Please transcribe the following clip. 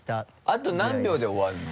あと何秒で終わるの？